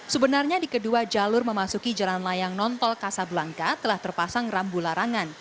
sebenarnya di kedua jalur memasuki jalan layang nontol kasablangka telah terpasang rambu larangan